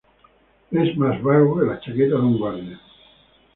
Es más vago que la chaqueta de un guardia